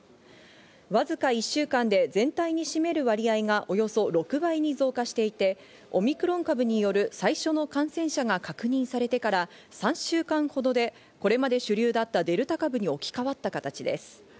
わずか１週間で全体に占める割合がおよそ６倍に増加していて、オミクロン株による最初の感染者が確認されてから３週間ほどでこれまで主流だったデルタ株に置きかわった形です。